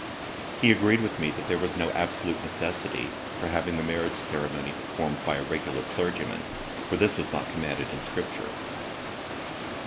He agreed with me that there was no absolute necessity for having the marriage ceremony performed by a regular clergyman, for this was not commanded in scripture.